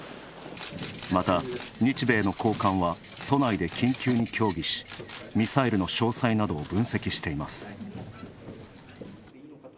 また、日米の高官は都内で緊急に協議しミサイルの詳細などを分析しています。